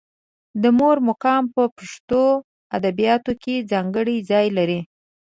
د مور مقام په پښتو ادبیاتو کې ځانګړی ځای لري.